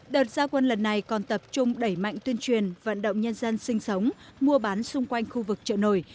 đợt gia quân lần này còn tập trung đẩy mạnh tuyên truyền vận động nhân dân sinh sống mua bán xung quanh khu vực trợ nổi